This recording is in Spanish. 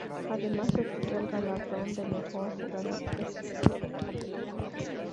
Además, recibió el galardón de mejor jugador defensivo de la competición.